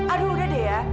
aduh udah deh ya